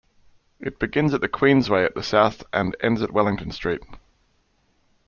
It begins at the Queensway at the south and ends at Wellington Street.